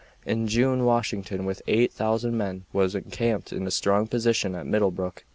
In June Washington with 8000 men was encamped in a strong position at Middlebrook.